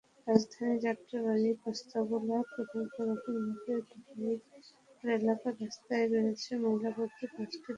রাজধানীর যাত্রাবাড়ী-পোস্তগোলা প্রধান সড়কের মুখে দোলাইর পাড় এলাকার রাস্তায় রয়েছে ময়লাভর্তি পাঁচটি ভ্যানগাড়ি।